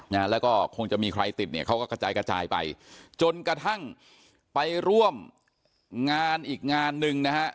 นะฮะแล้วก็คงจะมีใครติดเนี่ยเขาก็กระจายกระจายไปจนกระทั่งไปร่วมงานอีกงานหนึ่งนะฮะ